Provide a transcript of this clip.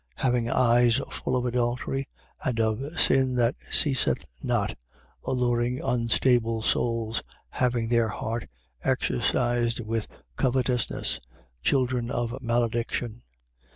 Having eyes full of adultery and of sin that ceaseth not: alluring unstable souls: having their heart exercised with covetousness: children of malediction.